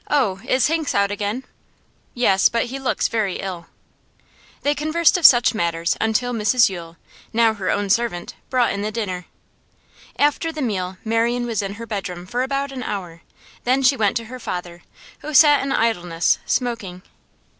'Oh, is Hinks out again?' 'Yes, but he looks very ill.' They conversed of such matters until Mrs Yule now her own servant brought in the dinner. After the meal, Marian was in her bedroom for about an hour; then she went to her father, who sat in idleness, smoking.